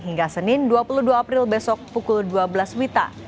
hingga senin dua puluh dua april besok pukul dua belas wita